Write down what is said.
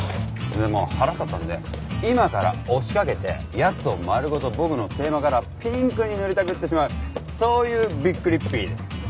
でもう腹立ったんで今から押しかけて奴を丸ごと僕のテーマカラーピンクに塗りたくってしまうそういうびっくりッピーです。